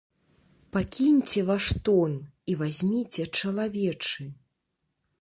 Пакіньце ваш тон і вазьміце чалавечы!